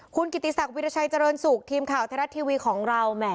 คุณกิติศักดิราชัยเจริญสุขทีมข่าวไทยรัฐทีวีของเรา